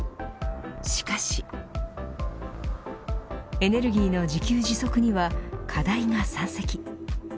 しかしエネルギーの自給自足には課題が山積。